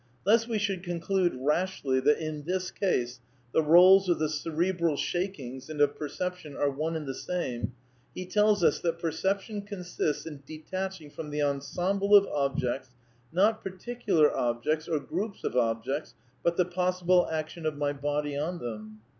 Lest we should conclude rashly that in this case the roles of the cerebral shakings and of perception are one and the same, he tells us that perception consists in detaching from the ensemble of objects — not particular objects or groups of objects but "the possible action of my body on them."